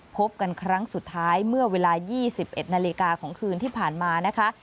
พบกันครั้งสุดท้ายเมื่อเวลา๒๑นาฬิกาของคืนที่ผ่านมานะคะ